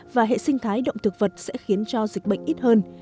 và hệ sinh thái động thực vật sẽ khiến cho dịch bệnh ít hơn